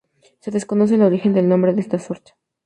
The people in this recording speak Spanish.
Se desconoce el origen del nombre de esta suerte.